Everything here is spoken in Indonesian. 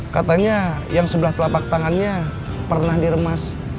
katanya yang sebelah telapak tangannya pernah diremas